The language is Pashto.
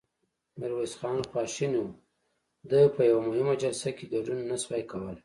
ميرويس خان خواشينی و، ده په يوه مهمه جلسه کې ګډون نه شوای کولای.